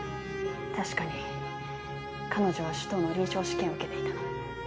確かに彼女は首藤の臨床試験を受けていた。